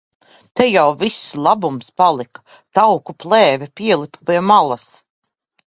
Tev jau viss labums palika. Tauku plēve pielipa pie malas.